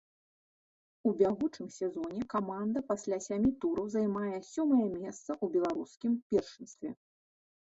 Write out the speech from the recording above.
У бягучым сезоне каманда пасля сямі тураў займае сёмае месца ў беларускім першынстве.